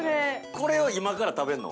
◆これを今から食べんの？